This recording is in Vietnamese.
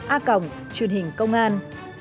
a còng truyền hình công an